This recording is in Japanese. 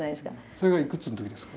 それがいくつのときですか？